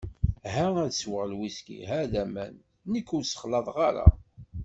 Ha ad sweɣ lwhisky, ha d aman, nekk ur ssexlaḍeɣ ara.